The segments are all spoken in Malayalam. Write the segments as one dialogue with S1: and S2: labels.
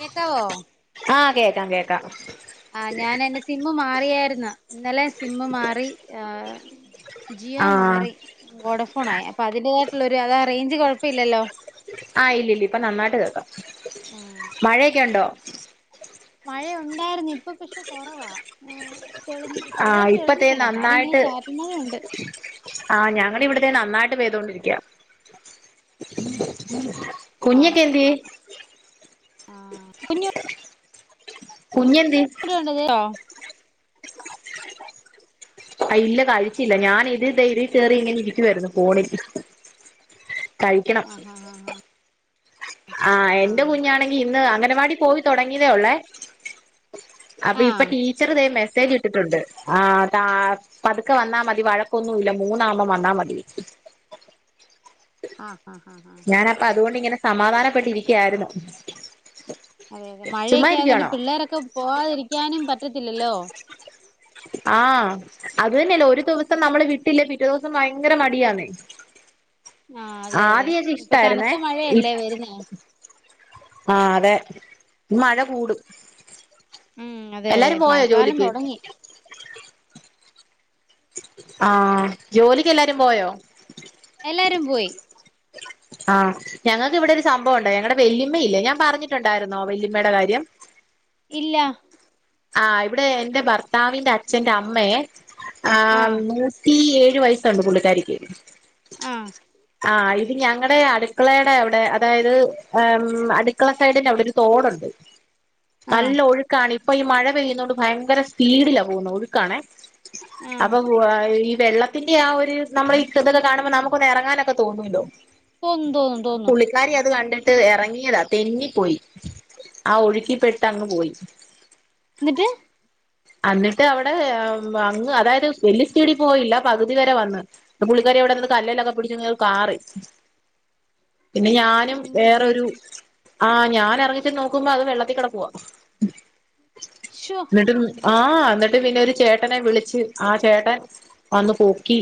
S1: കേക്കാവോ
S2: ആഹ് കേക്കാം കേക്കാം. ക്കാം.
S1: ആ ഞാനെന്റെ സിം മാറിയിരുന്ന്. ന്ന് ഇന്നലെ സിം മാറി ആ ജിയോ
S2: ആഹ്
S1: മാറി വോഡഫോൺ ആയി അപ്പോ അതിന്റെ തായിട്ടുള്ള ട്ടുള്ള ഒരു അതാ റേഞ്ച് കുഴപ്പഇല്ലല്ലോ?
S2: ആ ഇല്ലില്ല ഇപ്പൊ നന്നായിട്ട് കേൾകാം മഴയൊക്കെ ഉണ്ടോ?
S1: മഴയുണ്ടാരുന്നു ഇപ്പോ പക്ഷേ കുറവാ. ആ
S2: ആ ഇപ്പോ ഇതെ നന്നായിട്ട്
S1: ചാറ്റുന്നതും ഉണ്ട്
S2: ആ ഞങ്ങടിവിടെ ഇതെ നന്നായി ട്ട് പെയ്തുകൊണ്ടിരിക്കാ. കുഞ്ഞൊക്കെ എന്തിയേ?
S1: ആ കുഞ്ഞു
S2: കുഞ്ഞ് എന്തിയെ?
S1: കേട്ടോ
S2: ആ ഇല്ല കഴിച്ചില്ല ഞാനിതിദേ ഇതി കേറി ഇങ്ങനിരിക്കുവാരുന്നു ഫോണിൽ. കഴിക്കണം.
S1: ആഹ് ആഹ്
S2: ആ എന്റെ
S1: ആഹ്
S2: കുഞ്ഞാണെങ്കി ഇന്ന് അങ്ങ ണഗണവാടി പോയി തുടങ്ങിതേ ഒള്ളേ. അപ്പം
S1: ആഹ്
S2: ഇപ്പം
S1: ആഹ്
S2: ടീച്ചറിതെ മെസ്സേ സ്സേജിട്ടിട്ടുണ്ട് ആ പ പതുക്കെ വന്നാ മതി വഴക്കൊന്നുമില്ല മുന്നാക്കുമ്പൊ വന്നാ മതി.
S1: ആഹ് ആഹ് ആഹ് ആഹ്
S2: ഞാനപ്പോ അതുകൊണ്ടിങ്ങനെ സമാധാനപ്പെട്ടിരിക്കയാരുന്നു.
S1: അതെ അതെ മഴയൊക്കെ ആയതു കൊണ്ട് പിള്ളേരെക്കെ പോകാതിരിക്കാനും പറ്റത്തില്ലല്ലോ?
S2: ആഹ് അത് തന്നെയല്ലേ ഒരു ദിവസം നമ്മള് വിട്ടില്ലെ പിറ്റേദിവസം ഭയങ്കര മടിയാന്നെ.
S1: ആ അതെ അതെ ഇപ്പോ കനത്ത
S2: ഇ
S1: മഴയല്ലേ വരുന്നെ.
S2: ആഹ് അതെ മഴ കൂടും.
S1: ഉം അതെ അതേ
S2: എല്ലാരും പോയോ
S1: മഴക്കാലം
S2: ജോലിക്ക്
S1: തുടങ്ങി.
S2: ആ ജോലിക്കെല്ലാരും പോയോ?
S1: എല്ലാരും പോയി
S2: ആ ഞങ്ങൾക്കിവിടെ ഒരു സംഭവൊണ്ടായി ഞങ്ങടെ വല്യമ്മയില്ലേ ഞാൻ പറഞ്ഞിട്ടുണ്ടായിരുന്നോ വല്യമ്മേടെ കാര്യം.
S1: ഇല്ലാ.
S2: ആ ഇവിടെ എന്റെ ഭർത്താവിന്റെ അച്ഛന്റെ അമ്മയെ ആ
S1: ആഹ്
S2: നൂ റ്റി ഏഴ് വയസുണ്ട് പുള്ളിക്കാരിക്ക്
S1: അ
S2: ആ ഇത് ഞങ്ങടെ അടുക്കളേടേ അവിടെ അതായത് ഏം അട്ക്കള സയ്ഡിന്റെവിടൊരു തൊടുണ്ട്
S1: ആഹ്
S2: നല്ലൊഴുക്കാണി പ്പൊ ഈ മഴ പെയ്യുന്നോണ്ട് ഭയങ്കര സ്പീഡിലാ പോകുന്നെ ഒഴുക്കാണേ
S1: ആഹ്
S2: അപ്പൊ [unintelligible] വെള്ളത്തിന്റെ ആ ഒരു നമ്മളീ ഇതൊക്കെ കാണുമ്പൊ നമക്കൊന്നെറങ്ങാനൊ തോന്നൂല്ലോ
S1: തോന്നും തോന്നും തോന്നും
S2: പുള്ളിക്കാരി അത് കണ്ട് ട്ട് എറങ്ങിയതാ തെന്നിപ്പോയി ആ ഒഴുക്കിപ്പെട്ടങ്ങ് പോയി
S1: ന്നിട്ട്
S2: അന്നിട്ട് അവിടെ അങ്ങ് അതായത് വല്യ സ്പീഡി പോയില്ല പകുതി വരെ വന്ന് പൊ പുള്ളിക്കാരി അവിടെ നിന്ന് കല്ലേലൊക്കെ പിടിചിങ് കാറി പിന്നെ ഞാനും
S1: എന്റെ
S2: വേറൊരു
S1: ദൈവം
S2: ആഹ് ഞാനെറങ്ങിചെന്നോക്കുമ്പോ അത് വെള്ളത്തിക്കെടക്കുവാ
S1: ശോ
S2: ആഹ് ന്നിട്ട് പിന്നെ ഒരു ചേട്ടനെ വിളിച്ച് ആ ചേട്ടൻ വന്ന് പൊക്കി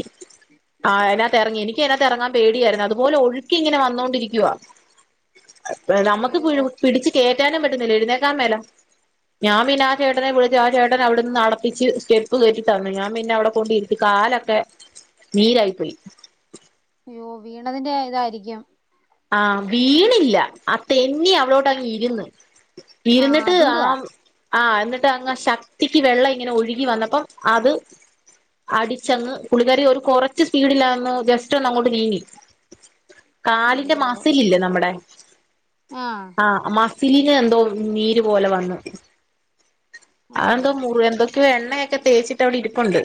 S2: ആഹ് അയിനാത്തെറങ്ങി എനിക്കയിനാ തെറങ്ങാ പേടിയായ്രുന്നു അതുപോലെ ഒഴുക്കിങ്ങനെ വന്നോണ്ടിരിക്കുവാ നമുക്ക്
S1: അയ്യോ
S2: പൂ പിടിച്ച് കേ റ്റാനും പറ്റുന്നില്ല എഴുന്നേക്കാൻ മേല ഞാം പിന്നാ ചേട്ടനെ വിളിച്ച് ആ ചേട്ടനവിടുന്ന് നടപ്പിച്ച് സ്റ്റെപ്പ് കേറ്റിത്തന്ന് ഞാം പിന്നവിടകൊണ്ടിരുത്തി കാലൊക്കെ നീരായി പോയി
S1: അയ്യോ വീണതിന്റായതായിരിക്കും
S2: ആഹ് വീണില്ല അ തെന്നി അവടോട്ടങ്ങിരുന്ന്
S1: ആഹ്
S2: ഇരുന്നിട്ട്
S1: അതിന്റെയാ
S2: ആം ആ ന്ന്ട്ട് അങ്ങ് ശക്തിക്ക് വെള്ളം ങ്ങനെ ഒഴുകി വന്നപ്പം അത് അടിച്ചങ്ങ് പുള്ളിക്കാരി ഒരു കൊറച്ച് സ്പീഡില്ലാന്ന് ജസ്റ്റൊന്നങ്ങോട്ട് നീങ്ങി കാലി ന്റെ
S1: അയ്യോ
S2: മസിലില്ലേ നമ്മടെ ആഹ് മസ് സിലിന് എന്തോ നീര് പോലെ വന്ന് അഹ്
S1: അയ്യോ
S2: എന്തോ മുറ് എന്തൊ ക്കെ എണ്ണയൊക്കെ തേച്ചിട്ടവിടിരിപ്പുണ്ട്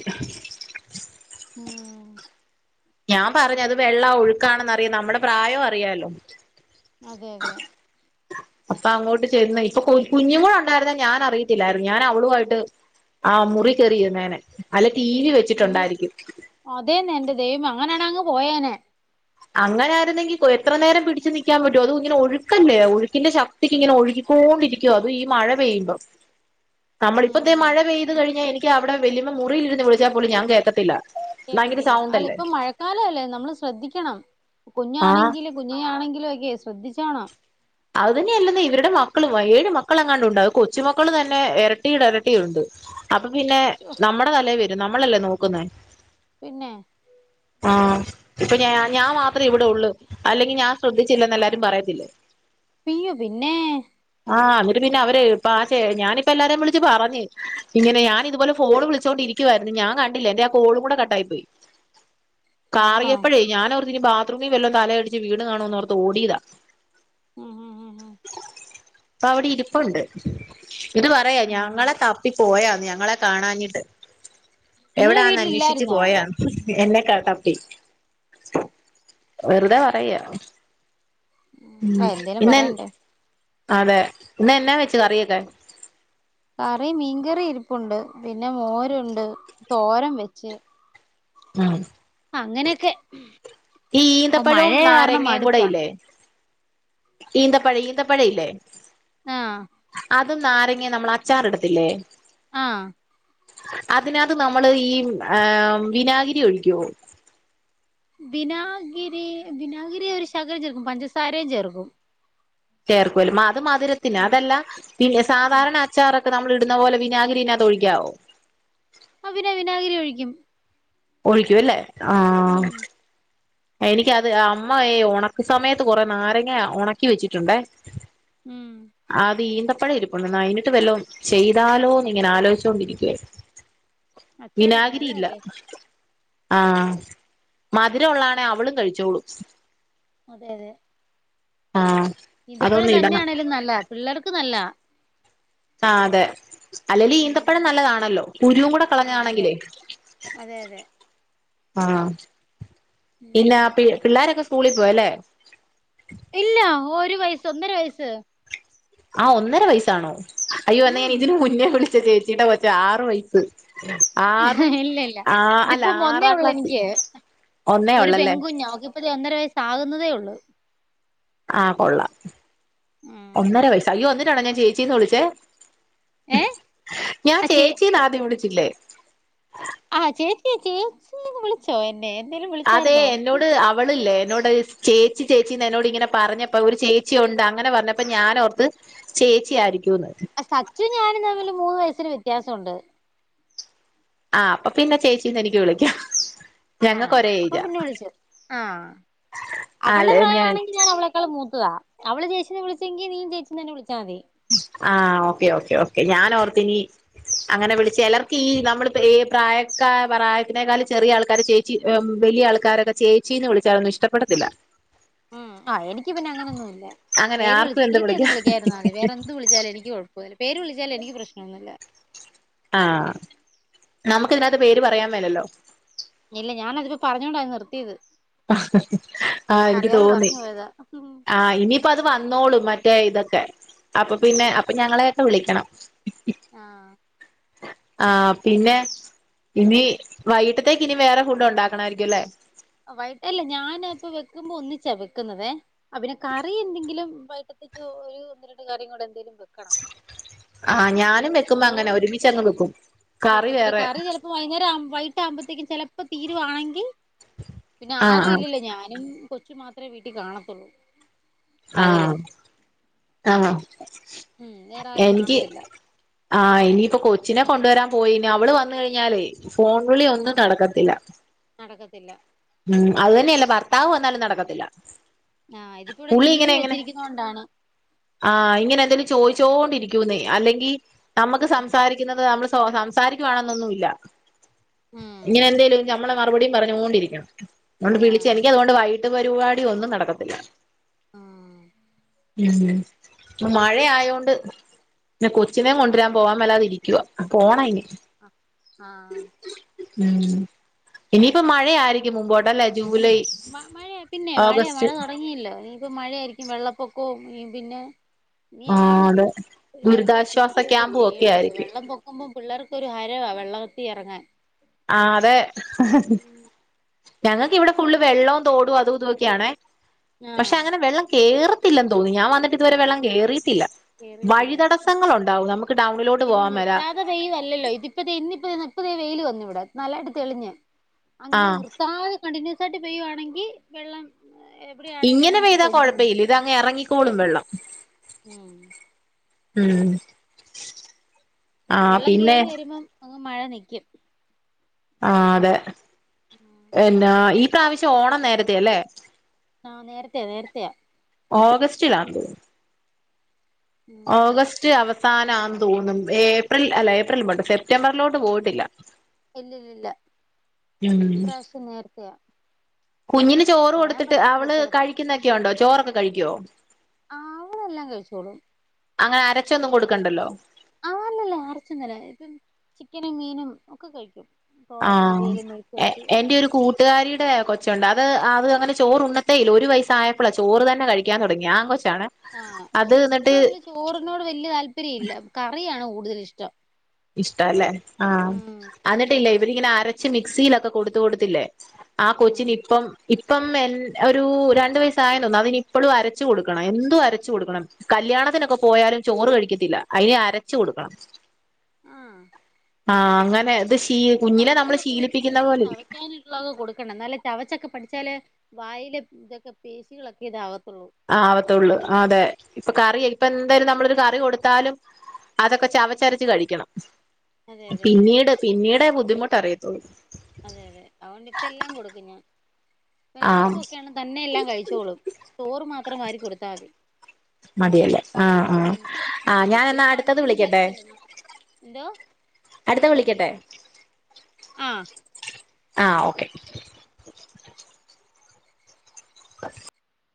S1: ഉം
S2: ഞാ പറഞ് അത് വെള്ളാ ഒഴുക്കാണെന്നറിയ നമ്മടെ പ്രായൊ അറിയാലോ
S1: അതെ അതെ
S2: അപ്പോ അങ്ങോണ്ട് ചെന്ന് ഇപ്പോ കുഞ്ഞുങ്ങൾ ഉണ്ടായിരുന്നെ ഞാൻ അറിയതില്ലാരുന്നു ഞാൻ അവളും ആയിട്ട് മുറിയിൽ കയറിയിരുന്നേനെ ടിവി
S1: അയ്യോ
S2: വച്ചിട്ടുണ്ടായിരിക്കും.
S1: അങ്ങനാണേഅങ്ങ് പോയേനെ
S2: അങ്ങനെ ആരുന്നെങ്കി എത്ര നേരം പിടിച്ചു നിൽക്കാൻ പറ്റും അതും ഇങ്ങനെ ഒഴുക്കല്ലേ ഒഴുക്കിന്റെ ശക്തിക്ക് ഇങ്ങനെ ഒഴുകിക്കൊണ്ടിരിക്കുവാ അതും ഈ മഴ പെയ്യുമ്പോ. നമ്മളിപ്പം ഇതാ
S1: ഉം
S2: മഴ പെയ്ത് കഴിഞ്ഞാൽ എനിക്ക് അ അവിടെ വലിയമ്മ മുറിൽ ഇരുന്ന് വിളിച്ചാൽ പോലും ഞാൻ കേക്കത്തില്ല.
S1: കേക്കത്തില്ല അല്ല ഇപ്പ മഴക്കാല അല്ലേ നമ്മള് ശ്രദ്ധിക്കണം.
S2: ആഹ്
S1: കുഞ്ഞാണെങ്കിലും കുഞ്ഞിനെ ആണെങ്കിലും ഒക്കെ എസ് ശ്രദ്ധിച്ചോണം.
S2: അത് തന്നേ അല്ലെന്ന് ഇവരുടെ മക്കളും ഏഴ് മക്കള അങ്ങാണ്ട് ഉണ്ട് കൊച്ചുമക്കളും തന്നെ ഇരട്ടിടെ ഇരട്ടിയുണ്ട്. അപ്പൊ പിന്നെ
S1: ശോ
S2: നമ്മുടെ തലയിൽ വരും. നമ്മളല്ലേ നോക്കുന്നേ.
S1: പിന്നെ.
S2: ആഹ് ഇപ്പൊ ഞാ ഞാൻ മാത്രമേ ഇവിടെ ഉള്ളൂ അല്ലെങ്കിൽ ഞാൻ ശ്രദ്ധിച്ചില്ലെന്ന് എല്ലാരും പറയത്തില്ലേ.
S1: യ്യോ പിന്നെ.
S2: ആഹ് എന്നിട്ട് പിന്നെ അവര് പാശേ ഞാനിപ്പോ എല്ലാരേ വിളിച്ച് പറഞ്ഞ് ഇങ്ങനെ ഞാൻ ഇതുപോലെ ഫോണ് വിളിച്ചോണ്ടിരിക്കുവായിരുന്നു ഞാൻ കണ്ടില്ല എന്റെ ആ കോളും കൂടെ കട്ട് ആയി പോയി.
S1: ആണോ
S2: കാറിയപ്പോഴേ ഞാൻ ഓർത്ത് ബാത്ത് ബാത്‌റൂമി വല്ലോ തല അടിച്ച് വീണ് കാണോന്ന് ഓർത്ത് ഓടിതാ.
S1: ഉം. ഉം ഉം ഉം
S2: ഇപ്പൊ അവിടെ ഇരിപ്പുണ്ട്. ഇത് പറയാ
S1: ആഹ്
S2: ഞങ്ങളെ തപ്പി പോയാന്ന്. ഞങ്ങളെ കാണഞ്ഞിട്ട്.
S1: നിങ്ങള്
S2: എവിടാന്ന് അന്വേഷിച്ച്
S1: വീട്ടിലില്ലായിരുന്നോ
S2: പോയാന്ന്. എന്നെക്കാട്ടപ്പി വെറുതെ പറയുവ. ഉം.
S1: ആ എന്തേലും പറയണ്ടേ.
S2: അതെ ഇന്ന് എന്നാ വെച്ച് കറിയൊക്കെ?
S1: കറി മീൻകറി ഇരിപ്പുണ്ട് പിന്നെ മോരുണ്ട് തോരൻ വെച്ച്.
S2: ഉം
S1: അങ്ങനെയൊക്കെ.
S2: ഈ
S1: മഴ
S2: ഈന്തപ്പഴവും
S1: കാരണം
S2: നാരങ്ങയും കൂടെ
S1: മടുപ്പാ
S2: ഇല്ലേ. ഈന്തപഴം ഈന്തപഴം ഇല്ലേ.
S1: ആഹ്
S2: അതും നാരങ്ങേ നമ്മള് അച്ചാറിടത്തില്ലേ?
S1: ആഹ്‌.
S2: അതിനാത്ത് നമ്മള് ഈ ഏഹ്‌ വിനാഗിരി ഒഴിക്കോ?
S1: ബിനാഗിരി ബിനാഗിരി ഒരു ശകലം ചേർക്കും പഞ്ചസാരയും ചേർക്കും.
S2: ചേർക്കുല്ലേ മാ അത് മധുരത്തിന്
S1: ഉം
S2: അതല്ല പിന്ന
S1: ആഹ്
S2: സാധാരണ അച്ചാറ്. നമ്മള് ട്ന്ന പോലെ വിനാഗിരി ഇനകത്ത് ഒഴിക്കാവോ
S1: ആ പിന്നെ വിനാഗിരി ഒഴിക്കും
S2: ഒഴിക്കൂല്ലേ ആ
S1: ഉം
S2: എനിക്ക് അത് അമ്മയെ ഒണക്ക് സമയത്ത് കൊറെ നാരങ്ങ ഒണക്കി വെച്ചിട്ടുണ്ടേ
S1: ഉം
S2: അത് ഈന്ത പ്പഴം ഇരിപ്പുണ്ട് അയ്ന്ട്ട് വല്ലോം ചെയ്താലോന്ന് ഇങ്ങനെ ആലോചിച്ചോണ്ടിരിക്കായിര്ന്ന്
S1: അച്ചാറിടും
S2: വിനാഗിരിയില്ല
S1: നല്ലതല്ലേ
S2: ആ മധുരം ഉള്ള [unintelligible] അവളും കഴിച്ചോളും
S1: അതെ അതെ
S2: ആഹ്
S1: ഈന്തപ്പഴം
S2: അതൊന്ന് ഇടണം
S1: തന്നെയാണേലും നല്ലത പിള്ളേർ ക്ക് നല്ലതാ
S2: ആഹ് അതെ. അല്ലെല്
S1: ഉം
S2: ഈന്തപ്പഴം നല്ലതാണല്ലോ കുരുംകൂടെ
S1: ആഹ് അതെ
S2: കളഞ്ഞാതാണെങ്കിലേ
S1: അതെ അതെ
S2: ആഹ് പിന്നാ
S1: ഉം
S2: പി പിള്ളോരൊക്കെ സ്കൂളി പോയല്ലേ
S1: ഇല്ല ഒരു വയസ്സ് ഒന്നര വയസ്സ്
S2: ആഹ് ഒന്നര വയസാണോ അയ്യോ എന്നാ ഞാൻ
S1: ഉം
S2: ഇതിന് മുന്നേ വിളി ച്ച ചേച്ചിയുടെ കൊച്ചാ ആറ് വയസ്സ്. ആറും
S1: ഇല്ല ഇല്ല
S2: ആ അല്ല
S1: ഇതിപ്പം ഒന്നേ
S2: ആറാം
S1: ഒള്ള്
S2: ക്ലാസ്സിൽ
S1: എനിക്ക്.
S2: ഒന്നേ
S1: ഒരു
S2: ഉള്ളല്ലേ
S1: പെൺകുഞ്ഞ അവക്ക് ഇപ്പ ദേ ഒന്നര വയ സാകുന്നതേ ഒള്ള്.
S2: ആഹ് കൊള്ളാം. ഒന്നര വയസ്സ് അയ്യോ അന്നി ട്ടാണോ ഞാൻ ചേച്ചീന്ന് വിളിച്ചേ.
S1: ഏ
S2: ഞാൻ
S1: ആ ചേ
S2: ചേച്ചീന്ന് ആദ്യം വിളിച്ചു ഇല്ലേ
S1: ആഹ് ചേച്ചിയെ ചേച്ചി വിളിച്ചോ എന്നെ എന്തേലും
S2: അതെ
S1: വിളിച്ചായിരുന്നോ
S2: എന്നോട് അവളില്ലേ എന്നോട് ചേച്ചി ചേച്ചിന്ന് എന്നോട് ഇങ്ങനെ പറഞ്ഞപ്പ ഒരു ചേച്ചി ഉണ്ട് അങ്ങനെ പറഞ്ഞപ്പ ഞാനോർത്ത് ചേച്ചി ആയിരിക്കും
S1: സച്ചു ഞാനും തമ്മില് മൂന്ന് വയസ്സിന് വ്യത്യാസംണ്ട്
S2: ആഹ് അപ്പൊ പിന്നെ ചേച്ചീന്ന് എനിക്ക് വിളിക്കാം. ഞങ്ങക്ക്
S1: ആഹ്
S2: ഒരേ
S1: അപ്പൊ
S2: ഏജാ
S1: പിന്നെ വിളിച്ചോ ആ അവളുടെ പ്രായമാണെങ്കി ഞാൻ അവളെക്കാളും മുത്തായ അവള് ചേച്ചീന്ന് വിളിച്ചെങ്കി നീയും ചേച്ചീന്ന് തന്നെ വിളിച്ചാതി
S2: ആഹ് ഓക്കെ ഓക്കെ ഓക്കെ ഞാനോർത്തിനി അങ്ങനെ വിളിച്ച ചിലർക്കീ നമ്മള് പേര് പ്രായക്കാ പ്രായത്തിനേക്കാലും ചെറിയ ആൾക്കാര് ചേച്ചി ഏഹ് വലിയ ആൾക്കാരൊക്കെ ചേച്ചീന്ന് വിളിച്ചാലോന്നും ഇഷ്ടപ്പെടത്തില്ല
S1: ഉം ആ എനിക്ക് പിന്നെ അങ്ങനൊന്നൂല്ല
S2: അങ്ങനെ
S1: പേര് വിളി
S2: ആർക്കും എന്തും
S1: ചീത്ത ഒന്നും
S2: വിളിക്കാം
S1: വിളിക്കാതിരുന്നാ മതി വേറെന്തു വിളിച്ചാലും എനി ക്ക് കുഴപ്പോലാ പേര് വിളിച്ചാലും എനിക്ക് പ്രശ്നം ഒന്നുല്ല
S2: ആഹ് നമുക്കിതിന്നാത്ത് പേര് പറയാൻ മേലല്ലോ
S1: ഇല്ല ഞാനതില് പറഞ്ഞോണ്ടാ നിർത്തീത്
S2: ആ എനിക്ക് തോന്നി
S1: പറഞ്ഞു പോയതാ
S2: ആ ഇനീ പ്പൊ അത് വന്നോളും മറ്റേ ഇതൊക്കെ അപ്പോ പിന്നെ അപ്പൊ ഞങ്ങളെ [unintelligible] വിളിക്കണം
S1: ആഹ്
S2: ആഹ് പിന്നെ ഇനി വൈകിട്ടത്തേക്കിനി വേറെ ഫുഡ്‌ ഒണ്ടാക്കണ ആയിരിക്കൂലെ
S1: വൈകി അല്ല ഞാന് ഇപ്പോ വെക്കുമ്പോ ഒന്നിച്ചാ വെക്കുന്നതേ ആ പിന്നെ കറി എന്തെങ്കിലും വൈകിട്ടത്തേക്ക് ഒരു ഒന്ന് രണ്ട് കറിയും കൂടേ എന്തേലും വെക്കണം
S2: ആഹ്
S1: മ് അപ്പം
S2: ഞാനും വെക്കുമ്പോ അങ്ങനെ
S1: ചോറും
S2: ഒരുമിച്ചങ്ങ് വെക്കും കറി
S1: വെക്കും പിന്നെ
S2: വേറെ
S1: കറി ചെലപ്പോ വൈകുന്നേരം ആവും വൈകിട്ടാമ്പഴത്തേക്കും ചെലപ്പോ തീരുവാണെങ്കി പിന്നെ
S2: ആഹ്
S1: ആരും
S2: ആഹ്
S1: ഇല്ലല്ലോ ഞാനും കൊച്ചും മാത്രേ വീട്ടി കാണത്തൊള്ളൂ
S2: ആഹ് ആണോ
S1: ഉം വേറാരും കാണത്തില്ല
S2: ആ ഇനീപ്പോ കൊച്ചിനെ കൊണ്ടുവരാൻ പോയിന് അവള് വന്നു കഴിഞ്ഞാലേ ഫോൺ വിളി ഒന്നും നടക്കത്തില്ല
S1: ത്തില്ല.
S2: അതുതന്നെയല്ല ഭർത്താവ് വന്നാലും നടക്കത്തില്ല.
S1: ആ ഇതിപ്പോ ഇവടെ
S2: പുള്ളി
S1: ടിവി
S2: ഇങ്ങനെ എങ്ങനെ
S1: വെച്ചിരിക്കുന്നോണ്ടാണ്
S2: ചോയ്ച്ചോണ്ടിരിക്കൂന്നെ അല്ലെങ്കി നമുക്ക് സംസാരിക്കുന്നത് നമ്മള് സംസാരിക്കുവാണൊന്നൊന്നു ഇല്ല
S1: ഉം
S2: ഇങ്ങനെന്തേലും [unintelligible] നമ്മള് മറുപടീം പറഞ്ഞോണ്ടിരിക്കണം. അതുകൊണ്ട് വിളിച്ച എനിക്ക്
S1: ആഹ്
S2: അതുകൊണ്ട് വൈ എൻ്റെ പരിപാടിയും ഒന്നും നടക്കത്തില്ല.
S1: ആഹ്
S2: മ്ഹ് മഴയായോണ്ട്, പിന്നെ കൊച്ചിനേം കൊണ്ടരാൻ പോകാൻ മേലാതിരിക്കുവാ. പോണം ഇനി
S1: അ ആഹ
S2: മ്ഹ് ഇനീപ്പോ മഴ ആയിരി ക്കും മുമ്പോട്ടല്ലേ ജൂ
S1: മ മഴയോ മഴ പിന്നെ മഴതുടങ്ങില്ലോ ഇന്നിപ്പം മഴ യായിരിക്കും വെള്ളപൊ ഓ [unintelligible] പിന്നെ
S2: ആ
S1: ഇനിയാണ്
S2: അതെ
S1: പിള്ളേരൊക്കെ
S2: ദുരിതാശ്വാസ
S1: ശ്രദ്ധിക്കുകയൊക്കെ
S2: ക്യാമ്പും ഒക്കെ
S1: ചെയ്യേണ്ടത്,
S2: ആയിരിക്കും
S1: വെള്ളം പൊങ്ങുമ്പോ പിള്ളേർ ഒരു ഹരമാണ് വെള്ളവത്തിൽ ഇറങ്ങാൻ.
S2: ആഹ അതെ ഞങ്ങൾക്ക് ഇവിടെ ഫുള്ള് വെള്ളവും തോടും അതും ഇതും ഒക്കെ ആണെ. പക്ഷെ
S1: ആഹ്
S2: അങ്ങനെ വെള്ളം കേറ് ത്തില്ലതോന്നുന്നു ഞാൻ വന്നിട്ട് ഇത് വരെ വെള്ളം കേറി
S1: കേറീട്ടില്ല
S2: നമുക്ക് ടൗണിലോട്ട്
S1: ഇത്
S2: പോവാൻ മേല
S1: നിർത്താതെ പെയ്യുവല്ലല്ലോ ഇതിപ്പ ദേ ഇന്നിപ്പദേ ഇപ്പ ദേ വെയിൽ വന്നു. ഇവിടെ നല്ലായിട്ട് തെളിഞ്ഞ്.
S2: ആ
S1: അങ്ങനെ നിർത്താതെ കണ്ടിനിയുസ് ആയിട്ട് പെയ്യുവാണെങ്കിൽ വെള്ളം എവിടെയാണേലും
S2: ഇങ്ങനെ
S1: നമുക്ക്
S2: പെയ്താൽ
S1: പൊങ്ങും
S2: കുഴപ്പയില്ല ഇതെങ്ങ് ഇറങ്ങിക്കോളും വെള്ളം.
S1: ഹ്‌മ്
S2: മ്മ്ഹ
S1: വെള്ളം കേറിവരുമ്പോ [unintelligible] മഴ നിക്കും.
S2: ആഹ അതെ. അല്ലാ ഈ ഇപ്രാവശ്യം ഓണം നേരത്തേയല്ലേ?
S1: ആഹ നേരത്തെ യാ നേരത്തെയാ.
S2: ഓഗ്സ്റ്റ്ലാന്ന് തോന്നുന്നു.
S1: ഉം അതെ
S2: ഓഗസ്റ്റ് അവ സാന ആണെന്ന് തോന്നുന്നു, ഏപ്രിൽ അല്ല എപ്രിൽ അല്ല സെപ്റ്റംബർലോട്ട് പോയിട്ടില്ല.
S1: ഇല്ലില്ലില്ല
S2: ഉം
S1: ഇപ്രാവശ്യം നേരത്തെയാ.
S2: കുഞ്ഞിന് ചോറ്
S1: പറയാൻ
S2: കൊടുത്തിട്ട്
S1: പറ്റത്തില്ല
S2: അവൾ കഴിക്കുന്നൊക്കെ ഒണ്ടോ. ചോറൊക്കെ കഴിക്കോ
S1: ആഹാ അവളെല്ലാം കഴിച്ചോളും
S2: അങ്ങനെ അരച്ചൊന്നും കൊടുക്കണ്ടല്ലോ
S1: [unintelligible] ആ അല്ല ല്ല അരച്ചൊന്നും അല്ല ചിക്കനും മീനും ഒക്കെ കഴിക്കും തോരൻ
S2: ആഹാ
S1: അവിയല് മെഴുക്ക് വരട്ടി എല്ലാം
S2: എന്റെ ഒരു
S1: കഴിക്കും
S2: കൂട്ടുകാരിയുടെ കൊച്ചുണ്ട് അത് ആ ഇത് അങ്ങനെ ചോറ് ഉണ്ണത്തെയില്ല ഒരു വയസ്സായപ്പളാ ചോറ് തന്നെ കഴിക്കാൻ തുടങ്ങിയെ ആൺകൊച്ച്
S1: ആ പക്ഷെ ഇപ്പൊ ഇവള് ചൊറിനോട് വല്ല്യ യ താല്പര്യം ഇല്ല കറിയാണ് കൂ കൂടുതൽ ഇഷ്ടം
S2: ഇഷ്ടം അല്ലെ ആഹ
S1: ഉം
S2: അന്നിട്ടില്ലേ ഇതിങ്ങനെ അരച്ച് മിക്ക്സിയിലൊക്കെ കൊടുത്ത് കൊടുത്ത് ഇല്ലേ ആ
S1: ഉം
S2: കൊച്ചിനിപ്പം ഇ പ്പം എൻ ഒരു രണ്ടുവയസായെന്നു തോന്നുന്നു അതിനിപ്പൊളും അരച്ച് കൊടുക്കണം എന്തും അരച്ച് കൊടുക്കണം കല്യാണത്തിനൊക്കെ പോയാലും ചോറ് കഴിക്കത്തില്ല അയിനെ അരച്ച് കൊടുക്കണം ആഹ് അങ്ങനെ അത് ശ
S1: ഇപ്പൊ അണപ്പല്ലൊക്കെ വരുമ്പോ നമ്മള് ചവക്കാനുള്ളത് കൊടുക്കണം എന്നാലേ ചവച്ചൊക്കെ പഠി ച്ചാല് വായില് ഇതൊക്കെ പേശികളൊക്കെ ഇതാവ
S2: ആവത്തൊള്ളു അതെ ഇപ്പോ കറി ഇപ്പോ എന്തേലും നമ്മള് ഒരു കറി കൊടുത്താലും അതൊക്കെ ചവച്ചരച്ചു കഴിക്കണം
S1: അതെ അതെ
S2: പിന്നീട് പിന്നീടെ ബുദ്ധിമു ട്ടറിയത്തൊള്ളു.
S1: അതെ അതെ അതുകൊണ്ട് ഇപ്പൊ എല്ലാം കൊടുക്കും ഞാൻ പിന്നെ
S2: ആഹ്
S1: അപ്പം ഒക്കെ ആണേലും തന്നെ എല്ലാം കഴിച്ചോളും ചോറ് മാത്രം വാരികൊടുത്താ മതി
S2: മതിയല്ലേ ആഹ് ആഹ് ആഹ്
S1: മ്ഹ്
S2: ഞാൻ
S1: ഒത്തിരി
S2: എന്നാ അടുത്തത്
S1: ക്വാണ്ടിറ്റിയിൽ
S2: വിളിക്കട്ടെ
S1: ചെല്ലത്തില്ല എന്നാലും എന്തോ
S2: അടുത്ത വിളിക്കട്ടെ
S1: ആഹ്
S2: ആ ഓക്കെ [unintelligible]